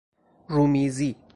رومیزی